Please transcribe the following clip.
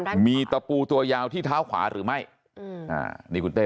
มีตะปูตัวยาวที่เท้าขวาหรือไม่อืมอ่านี่คุณเต้